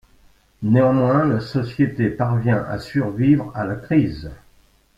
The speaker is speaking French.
Néanmoins la société parvient à survivre à la crise.